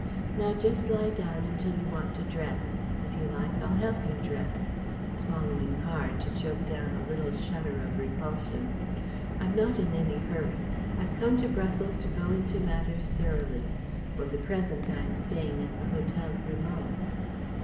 Now just lie down until you want to dress if you like, I'll help you dress" (swallowing hard to choke down a little shudder of repulsion). "I'm not in any hurry. I've come to Brussels to go into matters thoroughly. For the present, I am staying at the Hotel Grimaud."